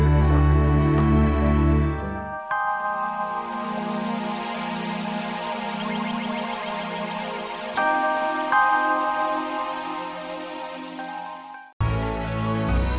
sampai jumpa lagi